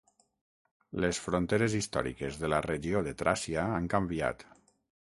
Les fronteres històriques de la regió de Tràcia han canviat.